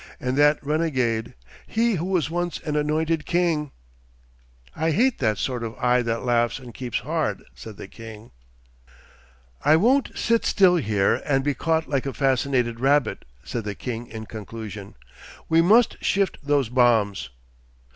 And that renegade! He who was once an anointed king! ... 'I hate that sort of eye that laughs and keeps hard,' said the king. 'I won't sit still here and be caught like a fascinated rabbit,' said the king in conclusion. 'We must shift those bombs.